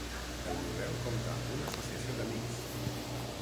El Museu compta amb una associació d'amics.